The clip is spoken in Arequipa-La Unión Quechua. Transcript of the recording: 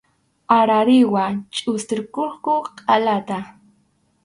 Arariwa chʼustirqukuq qʼalata.